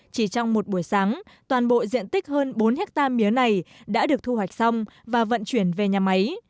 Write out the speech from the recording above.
chỉ trong một buổi sáng toàn bộ diện tích hơn bốn hectare mía này đã được thu hoạch xong và vận chuyển về nhà máy